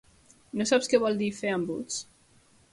No saps què vol dir fer embuts?